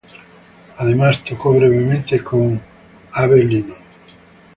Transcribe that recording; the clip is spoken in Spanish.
Además, tocó brevemente con y Abe Lyman.